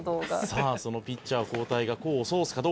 「さあそのピッチャー交代が功を奏すかどうか」